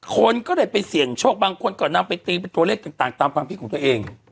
คนก็เลยไปเสี่ยงโชคบางคนก็นำไปตีเป็นตัวเลขต่างตามความคิดของตัวเอง